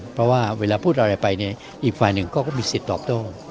เพราะว่าเวลาพูดอะไรไปเนี่ยอีกฝ่ายหนึ่งเขาก็มีสิทธิ์ตอบโต้